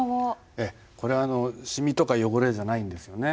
ええこれはあの染みとか汚れじゃないんですよね。